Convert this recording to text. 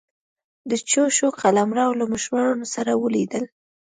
د چوشو قلمرو له مشرانو سره ولیدل.